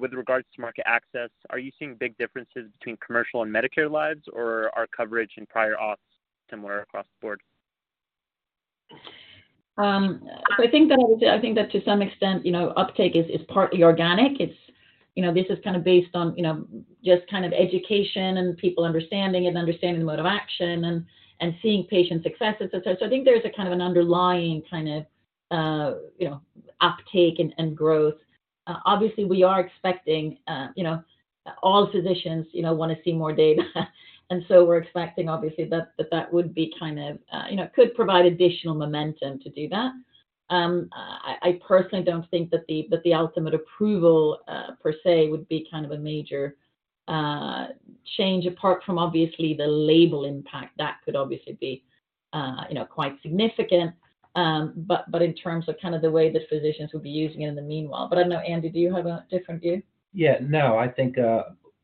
With regards to market access, are you seeing big differences between commercial and Medicare lives or are coverage and prior auths similar across the board? I think that to some extent, you know, uptake is partly organic. It's, you know, this is kind of based on, you know, just kind of education and people understanding and understanding the mode of action and seeing patient successes. I think there's a kind of an underlying kind of, you know, uptake and growth. Obviously we are expecting, you know, all physicians, you know, wanna see more data. We're expecting obviously that that would be kind of, you know, could provide additional momentum to do that. I personally don't think that the, that the ultimate approval, per se, would be kind of a major, change, apart from obviously the label impact. That could obviously be, you know, quite significant. In terms of kind of the way the physicians will be using it in the meanwhile. I don't know, Andy, do you have a different view? No. I think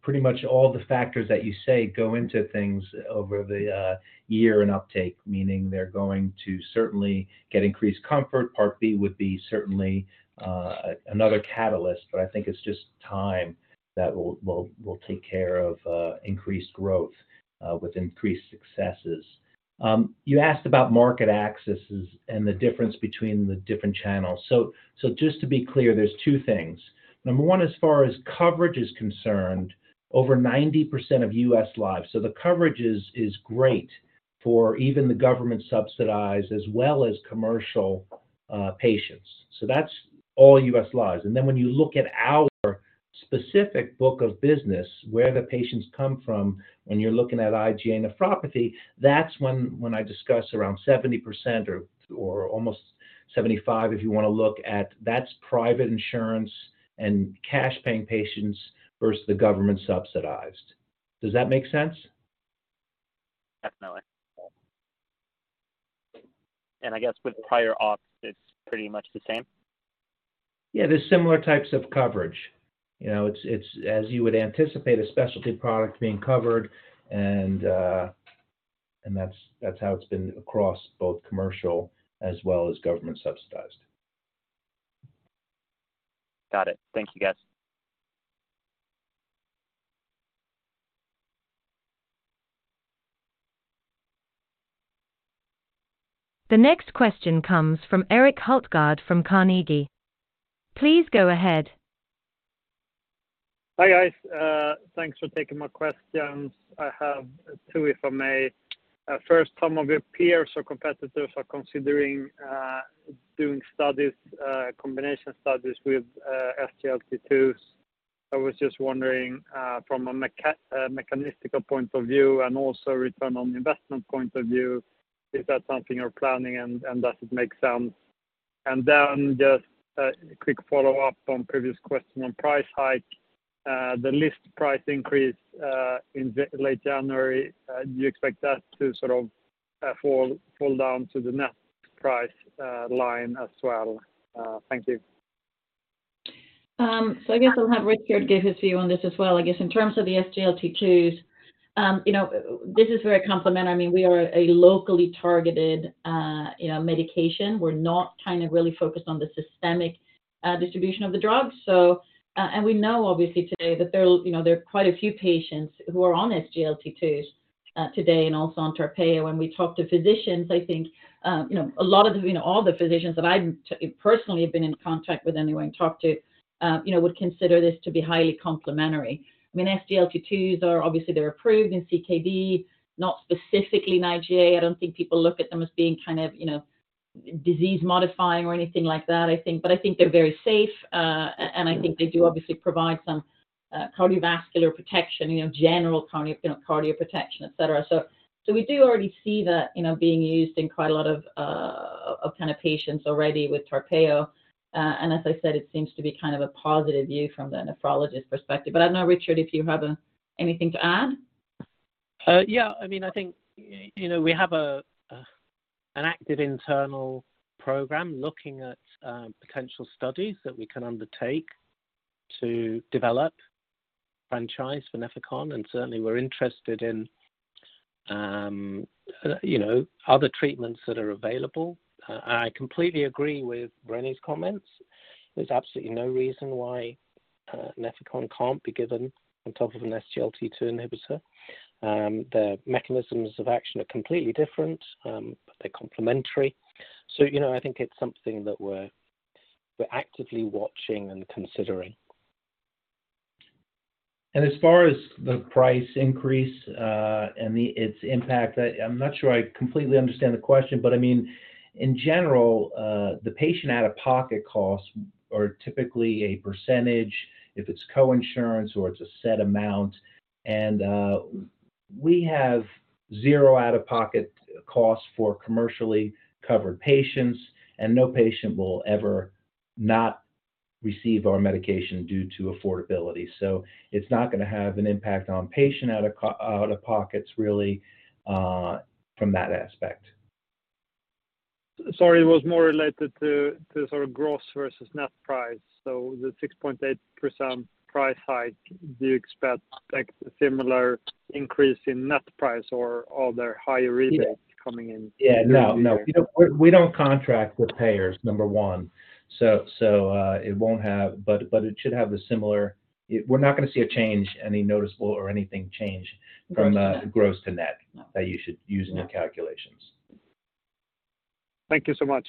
pretty much all the factors that you say go into things over the year in uptake, meaning they're going to certainly get increased comfort. Part B would be certainly another catalyst. I think it's just time that will take care of increased growth with increased successes. You asked about market accesses and the difference between the different channels. Just to be clear, there's two things. Number one, as far as coverage is concerned, over 90% of U.S. lives. The coverage is great for even the government subsidized as well as commercial patients. That's all U.S. lives. When you look at our specific book of business, where the patients come from, when I discuss around 70% or almost 75% if you want to look at that's private insurance and cash paying patients versus the government subsidized. Does that make sense? Definitely. I guess with prior auth, it's pretty much the same. Yeah. There's similar types of coverage. You know, it's as you would anticipate a specialty product being covered and that's how it's been across both commercial as well as government subsidized. Got it. Thank you, guys. The next question comes from Erik Hultgård from Carnegie. Please go ahead. Hi, guys. Thanks for taking my questions. I havetwo, if I may. First, some of your peers or competitors are considering doing studies, combination studies with SGLT2. I was just wondering, from a mechanistical point of view and also return on investment point of view, is that something you're planning and does it make sense? Then just a quick follow-up on previous question on price hike. The list price increase in late January, do you expect that to sort of fall down to the net price line as well? Thank you. I guess I'll have Richard give his view on this as well. I guess in terms of the SGLT2s, you know, this is very complementary. I mean, we are a locally targeted, you know, medication. We're not kind of really focused on the systemic distribution of the drug. We know obviously today that there, you know, there are quite a few patients who are on SGLT2s today and also on TARPEYO. When we talk to physicians, I think, you know, a lot of the, you know, all the physicians that I've personally been in contact with anyway and talked to, you know, would consider this to be highly complementary. I mean, SGLT2s are obviously they're approved in CKD, not specifically in IgA. I don't think people look at them as being kind of, you know, disease modifying or anything like that, I think. I think they're very safe, and I think they do obviously provide some, cardiovascular protection, you know, general cardio, you know, cardioprotection, etc. We do already see that, you know, being used in quite a lot of kind of patients already with TARPEYO. As I said, it seems to be kind of a positive view from the nephrologist perspective. I don't know, Richard, if you have, anything to add. Yeah. I mean, I think, you know, we have an active internal program looking at potential studies that we can undertake to develop franchise for Nefecon, and certainly we're interested in, you know, other treatments that are available. I completely agree with Renée's comments. There's absolutely no reason why Nefecon can't be given on top of an SGLT2 inhibitor. The mechanisms of action are completely different, but they're complementary. You know, I think it's something that we're actively watching and considering. As far as the price increase and its impact, I'm not sure I completely understand the question, but I mean, in general, the patient out-of-pocket costs are typically a percentage if it's coinsurance or it's a set amount. We have zero out-of-pocket costs for commercially covered patients, and no patient will ever not receive our medication due to affordability. It's not gonna have an impact on patient out-of-pockets, really, from that aspect. Sorry. It was more related to sort of gross versus net price. The 6.8% price hike, do you expect like a similar increase in net price or are there higher rebates coming in? Yeah. No, no. We don't contract with payers, number one. It won't have. It should have a similar. We're not gonna see a change, any noticeable or anything change from the gross to net that you should use in your calculations. Thank you so much.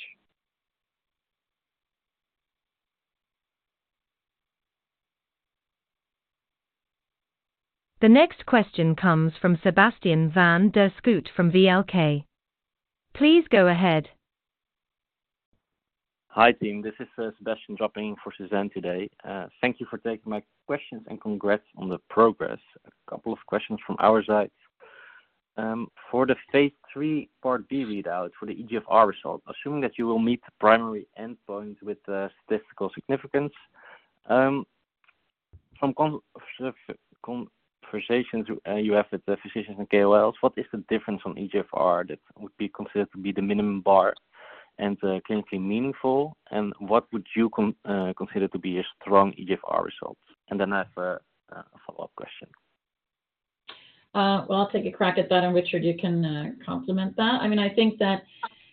The next question comes from Sebastiaan van der Schoot from VLK. Please go ahead. Hi, team. This is Sebastiaan dropping in for Suzanne today. Thank you for taking my questions, congrats on the progress. A couple of questions from our side. For the phase III part B readout for the eGFR result, assuming that you will meet the primary endpoint with the statistical significance, from conversations you have with the physicians and KOLs, what is the difference from eGFR that would be considered to be the minimum bar and clinically meaningful, and what would you consider to be a strong eGFR result? Then I have a follow-up question. Well, I'll take a crack at that, and Richard, you can complement that. I mean, I think that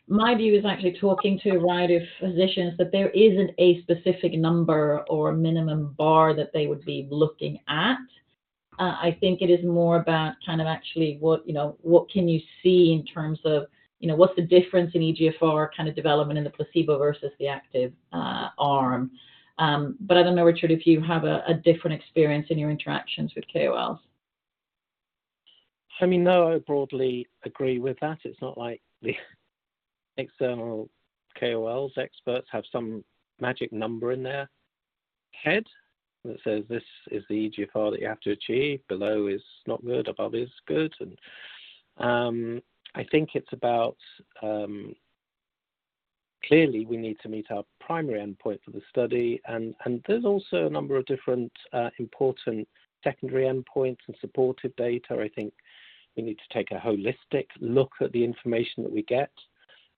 my view is actually talking to a variety of physicians that there isn't a specific number or a minimum bar that they would be looking at. I think it is more about kind of actually what, you know, what can you see in terms of, you know, what's the difference in eGFR kind of development in the placebo versus the active arm. I don't know, Richard, if you have a different experience in your interactions with KOLs. I mean, no, I broadly agree with that. It's not like the external KOLs experts have some magic number in there head that says this is the eGFR that you have to achieve. Below is not good, above is good. I think it's about, clearly we need to meet our primary endpoint for the study. There's also a number of different, important secondary endpoints and supportive data. I think we need to take a holistic look at the information that we get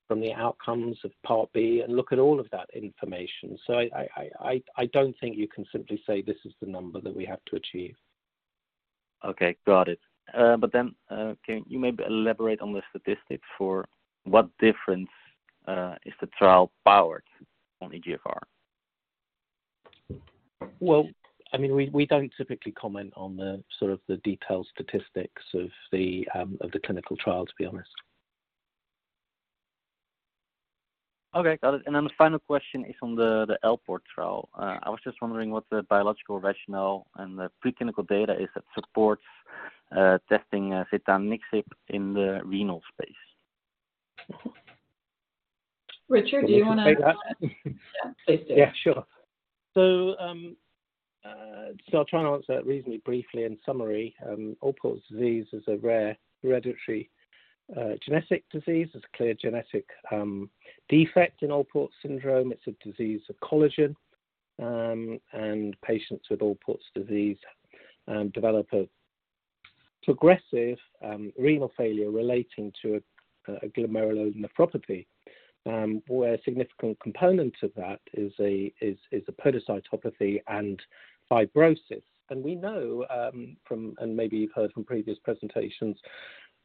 from the outcomes of Part B and look at all of that information. I don't think you can simply say this is the number that we have to achieve. Okay. Got it. Can you maybe elaborate on the statistics for what difference is the trial powered on eGFR? Well, I mean, we don't typically comment on the sort of the detailed statistics of the clinical trial, to be honest. Okay. Got it. The final question is on the Alport trial. I was just wondering what the biological rationale and the preclinical data is that supports testing setanaxib in the renal space? Richard, do you wanna- Take that? Yeah. Please do. Yeah, sure. I'll try and answer that reasonably briefly. In summary, Alport syndrome is a rare hereditary genetic disease. There's a clear genetic defect in Alport syndrome. It's a disease of collagen. Patients with Alport syndrome develop a progressive renal failure relating to a glomerulonephropathy, where a significant component of that is a podocytopathy and fibrosis. We know maybe you've heard from previous presentations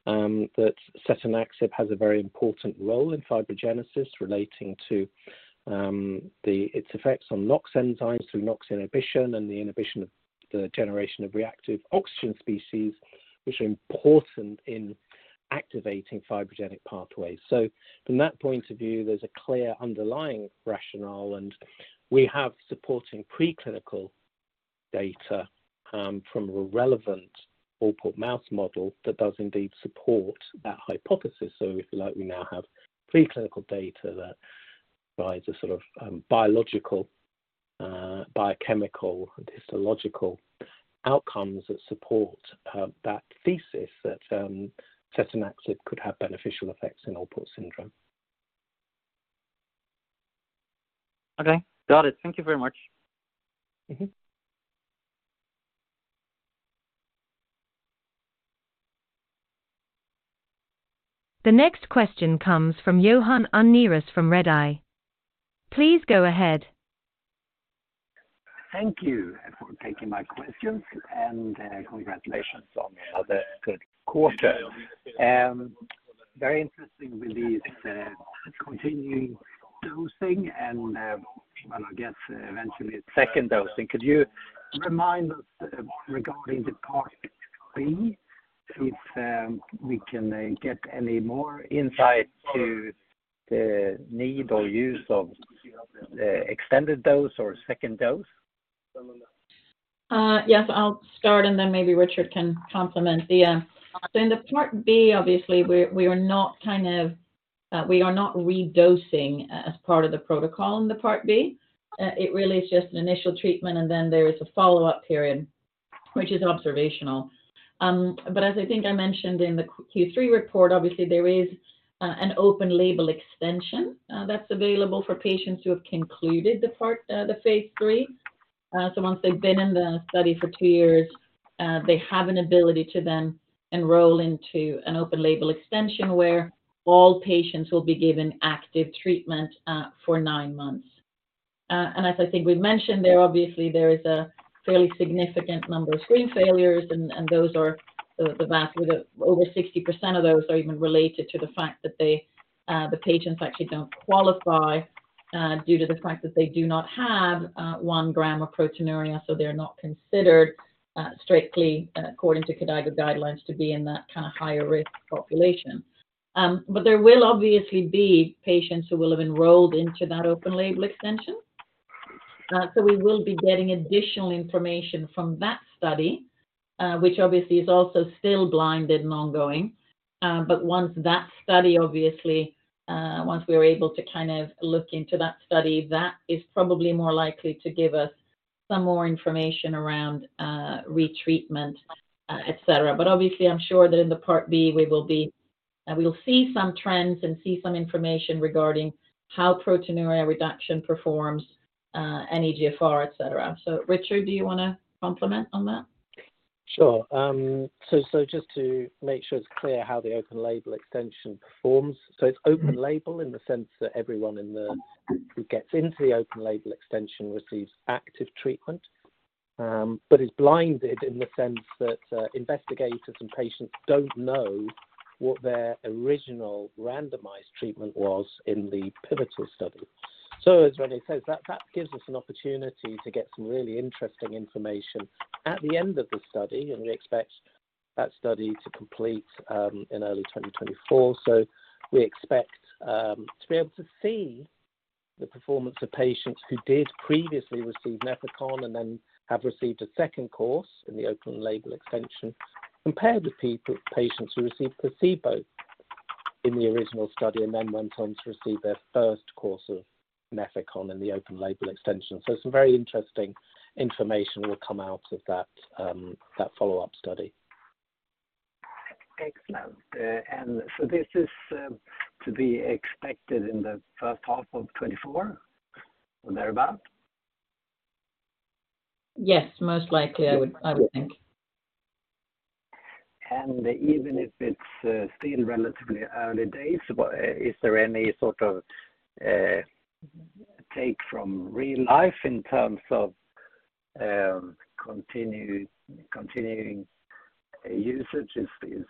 that setanaxib has a very important role in fibrogenesis relating to its effects on LOX enzymes through LOX inhibition and the inhibition of the generation of reactive oxygen species, which are important in activating fibrogenic pathways. From that point of view, there's a clear underlying rationale, and we have supporting preclinical data from a relevant Alport mouse model that does indeed support that hypothesis. If you like, we now have preclinical data that provides a sort of biological, biochemical, histological outcomes that support that thesis that setanaxib could have beneficial effects in Alport syndrome. Okay. Got it. Thank you very much. The next question comes from Johan Unnérus from Redeye. Please go ahead. Thank you for taking my questions, and congratulations on the good quarter. Very interesting with these, continuing dosing and, well, I guess eventually second dosing. Could you remind us regarding the Part B if, we can get any more insight to the need or use of extended dose or second dose? Yes, I'll start and then maybe Richard can complement. Yeah. In the Part B, obviously we are not kind of, we are not redosing as part of the protocol in the Part B. It really is just an initial treatment and then there is a follow-up period, which is observational. As I think I mentioned in the Q3 report, obviously there is an open label extension that's available for patients who have concluded the Part, the phase III. Once they've been in the study for two years, they have an ability to then enroll into an open label extension where all patients will be given active treatment for nine months. As I think we've mentioned, there obviously there is a fairly significant number of screen failures and those are the vast over 60% of those are even related to the fact that they, the patients actually don't qualify, due to the fact that they do not have, one gram of proteinuria. They're not considered strictly according to KDIGO guidelines to be in that kind of higher risk population. There will obviously be patients who will have enrolled into that open label extension. We will be getting additional information from that study, which obviously is also still blinded and ongoing. Once that study obviously, once we are able to kind of look into that study, that is probably more likely to give us some more information around retreatment, et cetera. Obviously I'm sure that in the Part B we will be, we will see some trends and see some information regarding how proteinuria reduction performs, and eGFR, et cetera. Richard, do you wanna complement on that? Sure. Just to make sure it's clear how the open label extension performs. It's open label in the sense that everyone who gets into the open label extension receives active treatment. But is blinded in the sense that investigators and patients don't know what their original randomized treatment was in the pivotal study. As Renée says, that gives us an opportunity to get some really interesting information at the end of the study, and we expect that study to complete in early 2024. We expect to be able to see the performance of patients who did previously receive Nefecon and then have received a second course in the open label extension compared with patients who received placebo. In the original study, went on to receive their first course of Nefecon in the open-label extension. Some very interesting information will come out of that follow-up study. Excellent. This is, to be expected in the first half of 2024 or thereabout? Yes, most likely, I would, I would think. Even if it's still relatively early days, but is there any sort of take from real life in terms of continuing usage? Is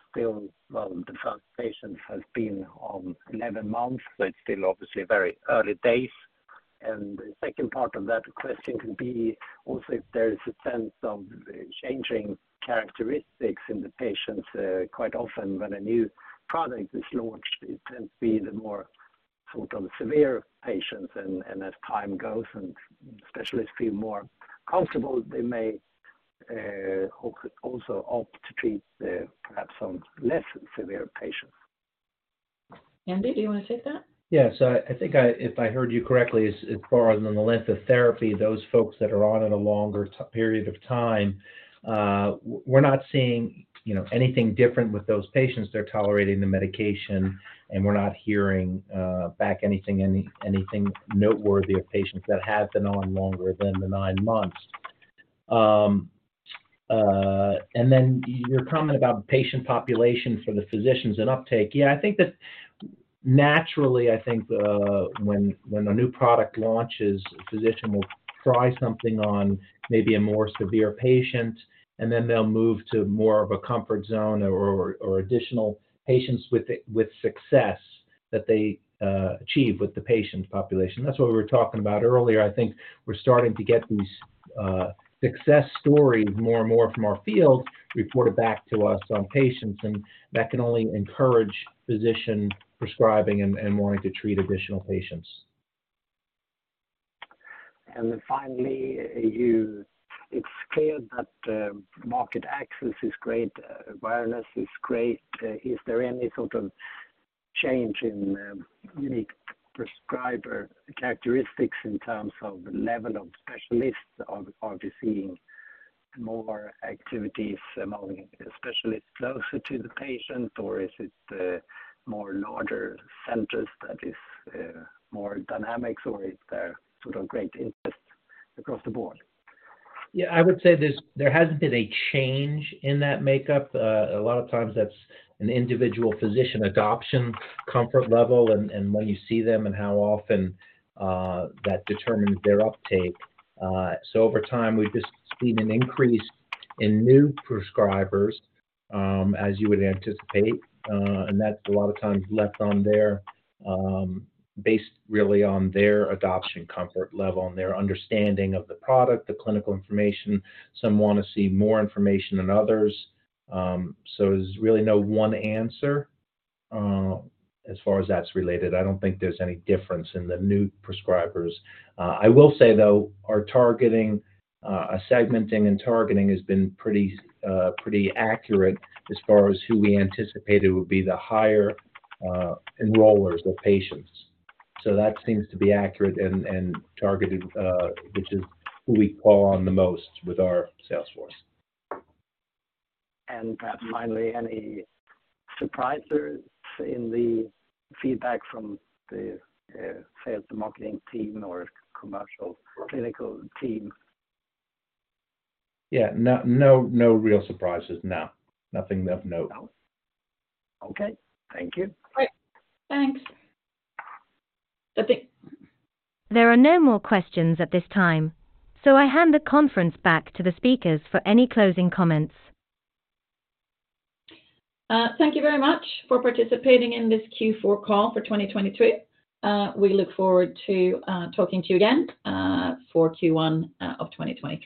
still... Well, the first patient has been on 11 months, but it's still obviously very early days. The second part of that question can be also if there is a sense of changing characteristics in the patients. Quite often, when a new product is launched, it tends to be the more sort of severe patients. As time goes and specialists feel more comfortable, they may also opt to treat perhaps some less severe patients. Andy, do you wanna take that? Yes. I think if I heard you correctly, as far as on the length of therapy, those folks that are on it a longer period of time, we're not seeing, you know, anything different with those patients. They're tolerating the medication, and we're not hearing back anything noteworthy of patients that have been on longer than the nine months. Your comment about patient population for the physicians and uptake. Yeah, I think that naturally, I think when a new product launches, a physician will try something on maybe a more severe patient, and then they'll move to more of a comfort zone or additional patients with it, with success that they achieve with the patient population. That's what we were talking about earlier. I think we're starting to get these success stories more and more from our field reported back to us on patients, and that can only encourage physician prescribing and wanting to treat additional patients. Finally, it's clear that market access is great, awareness is great. Is there any sort of change in unique prescriber characteristics in terms of the level of specialists? Or are we seeing more activities among specialists closer to the patient, or is it more larger centers that is more dynamics or is there sort of great interest across the board? I would say there's, there hasn't been a change in that makeup. A lot of times that's an individual physician adoption comfort level and when you see them and how often, that determines their uptake. Over time, we've just seen an increase in new prescribers, as you would anticipate. That's a lot of times left on their, based really on their adoption comfort level and their understanding of the product, the clinical information. Some wanna see more information than others. There's really no one answer, as far as that's related. I don't think there's any difference in the new prescribers. I will say, though, our targeting, our segmenting and targeting has been pretty accurate as far as who we anticipated would be the higher, enrollers of patients. That seems to be accurate and targeted, which is who we call on the most with our sales force. Finally, any surprises in the feedback from the sales and marketing team or commercial clinical team? Yeah. No, no real surprises, no. Nothing of note. No. Okay. Thank you. Great. Thanks. That's it. There are no more questions at this time, so I hand the conference back to the speakers for any closing comments. Thank you very much for participating in this Q4 Call for 2023. We look forward to talking to you again for Q1 of 2023.